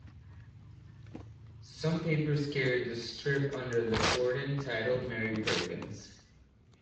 Some papers carried the strip under the shortened title Mary Perkins.